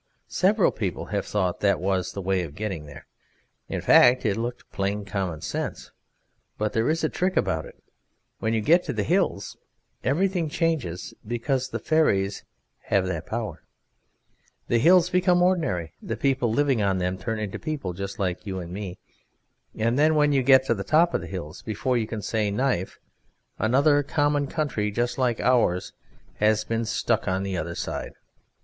Several people have thought that that was the way of getting there; in fact, it looked plain common sense, but there is a trick about it; when you get to the hills everything changes, because the fairies have that power: the hills become ordinary, the people living on them turn into people just like you and me, and then when you get to the top of the hills, before you can say knife another common country just like ours has been stuck on the other side.